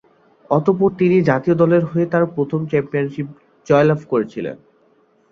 অতঃপর তিনি জাতীয় দলের হয়ে তার প্রথম চ্যাম্পিয়নশিপ জয়লাভ করেছিলেন।